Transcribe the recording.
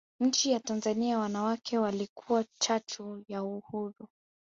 nchi ya Tanzania wanawake walikuwa chachu ya uhuru